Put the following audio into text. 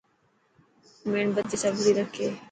ميڻ بتي سولي رک.